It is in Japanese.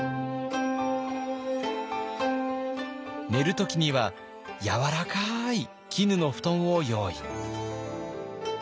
寝る時にはやわらかい絹の布団を用意。